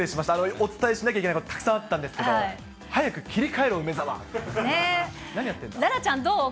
お伝えしなきゃいけないことたくさんあったんですけど、早く切り替えろ、梅澤！